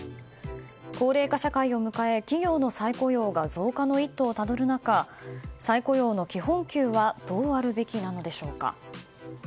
高齢化社会を迎え企業の再雇用が増加の一途をたどる中再雇用の基本給はどうあるべきなのでしょうか。